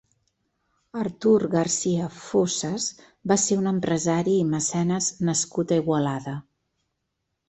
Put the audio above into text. Artur Garcia Fossas va ser un empresari i mecenes nascut a Igualada.